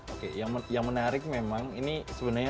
oke yang menarik memang ini sebenarnya